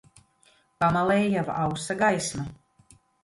Pamalē jau ausa gaisma